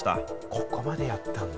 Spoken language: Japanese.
ここまでやったんだ。